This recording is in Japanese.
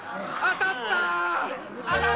当たったぞ！